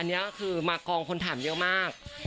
อันนี้คือมากองคนถามเยอะมาก